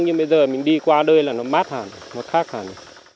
nhưng bây giờ mình đi qua đây là nó mát hẳn